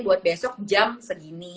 buat besok jam segini